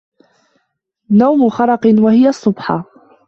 نَوْمُ خَرَقٍ وَهِيَ الصُّبْحَةُ